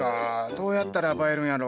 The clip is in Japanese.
どうやったら映えるんやろ？